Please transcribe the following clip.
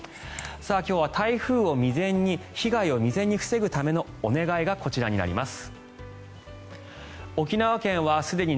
今日は台風の被害を未然に防ぐためにお願いがこちらになります。